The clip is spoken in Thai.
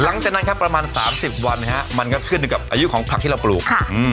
หลังจากนั้นครับประมาณ๓๐วันมันก็ขึ้นอยู่กับอายุของผักที่เราปลูก